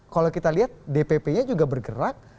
kalau kita lihat dpp nya juga bergerak